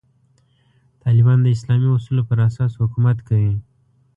طالبان د اسلامي اصولو پر اساس حکومت کوي.